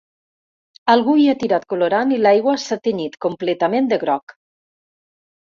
Algú hi ha tirat colorant i l’aigua s’ha tenyit completament de groc.